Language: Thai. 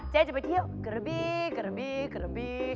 จะไปเที่ยวกระบีกระบีกระบี